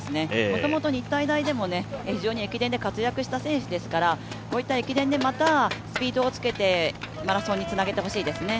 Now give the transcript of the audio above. もともと日体大でも非常に駅伝で活躍した選手ですからこういった駅伝でまたスピードをつけてマラソンにつなげてほしいですね。